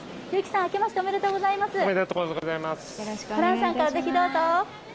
結城さん、明けましておめでとうございます。